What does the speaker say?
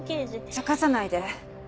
ちゃかさないで。